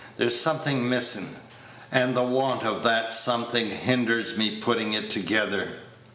There's something missin', and the want of that something hinders me putting it together."